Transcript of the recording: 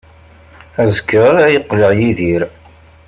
Azekka ara yeqleɛ Yidir.